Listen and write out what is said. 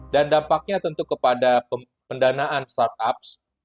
dan dampaknya tentu kepada pendanaan startup